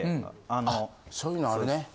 あそういうのあるね。